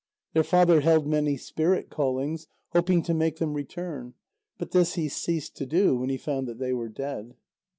Their father held many spirit callings, hoping to make them return. But this he ceased to do when he found that they were dead.